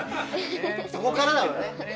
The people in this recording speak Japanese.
そこからだもんね。